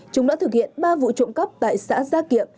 chúng đã thực hiện ba vụ trộm cắp tại xã gia kiệm